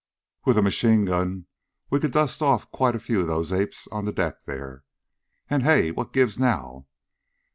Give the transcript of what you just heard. "With a machine gun we could dust off quite a few of those apes on the deck there. And Hey! What gives now?